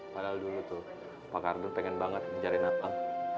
padahal dulu tuh pak ardun pengen banget penjarain nakal